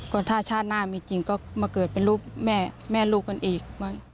ก็ถ้าชาติหน้ามีจริงก็มาเกิดเป็นลูกแม่ลูกกันอีก